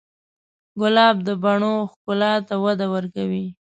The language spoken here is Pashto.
ګلاب د بڼو ښکلا ته وده ورکوي.